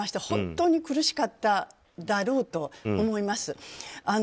本当に苦しかっただろうと思います。